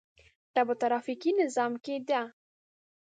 دا په ټرافیکي نظام کې ده.